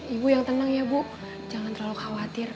ibu yang tenang ya bu jangan terlalu khawatir